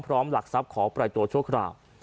หลักทรัพย์ขอปล่อยตัวชั่วคราว